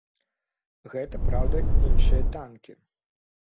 Гэта, праўда, іншыя танкі.